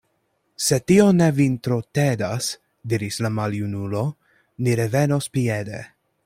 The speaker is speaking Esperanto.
Se tio ne vin tro tedas, diris la maljunulo, ni revenos piede.